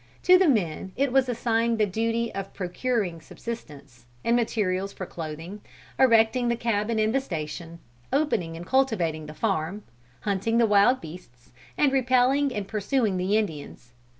To the men was assigned the duty of procuring subsistence and materials for clothing, erecting the cabin and the station, opening and cultivating the farm, hunting the wild beasts, and repelling and pursueing the Indians.